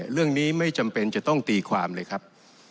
เรื่องนี้ไม่จำเป็นจะต้องตีความเลยครับ